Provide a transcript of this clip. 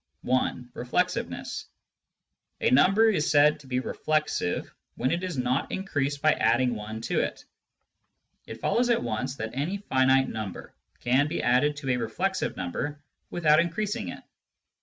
(i) Reflexiveness. — A number is said to be reflexive when it is not increased by adding i to it. It follows at once that any finite number can be added to a reflexive number without increasing it.